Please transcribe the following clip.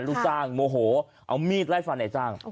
ลูกจ้างโมโหเอามีดไล่ฟันในจ้าง